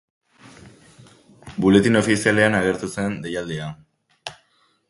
Buletin ofizialean agertu zen deialdia.